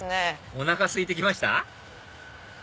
おなかすいて来ました？